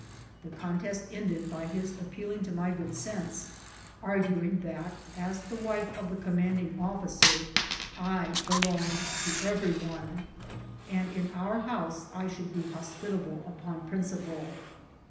The contest ended by his appealing to my good sense, argu ing that as the wife of the commanding officer I be longed to every one, and in our house I should be hos 140 BOOTS AND SADDLES. pitable upon principle.